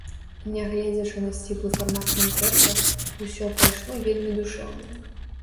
Нягледзячы на сціплы фармат канцэрта, усё прайшло вельмі душэўна.